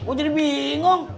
gue jadi bingung